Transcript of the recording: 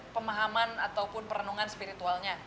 pemahaman ataupun perenungan spiritualnya